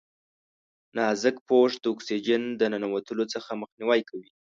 نازک پوښ د اکسیجن د ننوتلو څخه مخنیوی کوي.